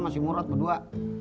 masih murut berdua